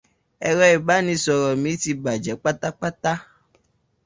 Ẹ̀rọ ìbánisọ̀rọ̀ mi ti bàjẹ́ pátápátá.